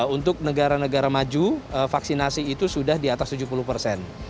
untuk negara negara maju vaksinasi itu sudah di atas tujuh puluh persen